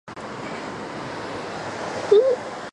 襟粉蝶属是粉蝶科粉蝶亚科襟粉蝶族中的一个属。